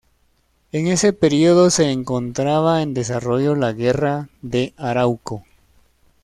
En ese periodo se encontraba en desarrollo la Guerra de Arauco.